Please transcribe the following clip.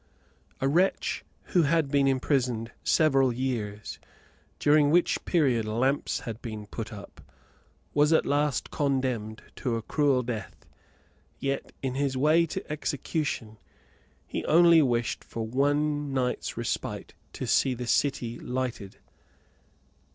A wretch who had been imprisoned several years, during which period lamps had been put up, was at last condemned to a cruel death, yet, in his way to execution, he only wished for one night's respite to see the city lighted.